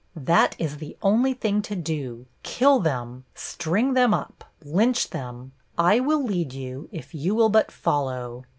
That is the only thing to do kill them, string them up, lynch them! I will lead you, if you will but follow.